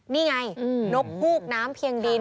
นี่ไงนกฮูกน้ำเพียงดิน